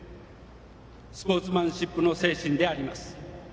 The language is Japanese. スポーツマンシップの精神であります。